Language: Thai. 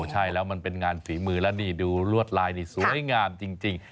ใช่แล้วมันเป็นงานฝีมือแล้วนี่ดูลวดลายนี่สวยงามจริง